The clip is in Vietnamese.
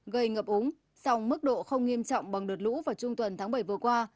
gây ngập úng song mức độ không nghiêm trọng bằng đợt lũ vào trung tuần tháng bảy vừa qua